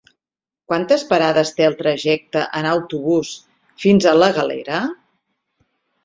Quantes parades té el trajecte en autobús fins a la Galera?